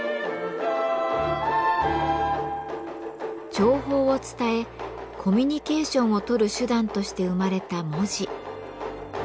情報を伝えコミュニケーションを取る手段として生まれた文字。